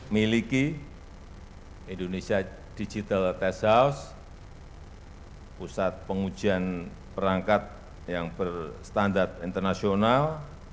miliki indonesia digital test house pusat pengujian perangkat yang berstandar internasional